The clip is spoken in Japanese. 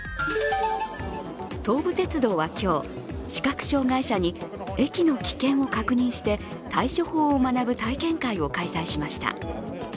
東武鉄道は今日、視覚障害者に駅の危険を確認して対処法を学ぶ体験会を開催しました。